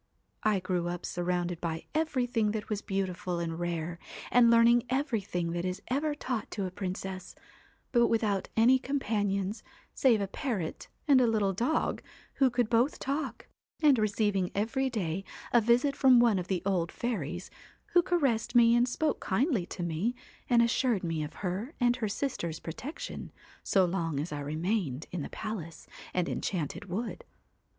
' I grew up surrounded by everything that was beautiful and rare, and learning everything that is ever taught to a princess, but without any com panions save a parrot and a little dog, who could both talk, and receiving every day a visit from one of the old fairies, who caressed me and spoke kindly to me, and assured me of her and her sisters' protection, so long as I remained in the 223 THE palace and enchanted wood.